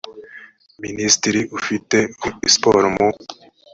minisitiri ufite siporo mu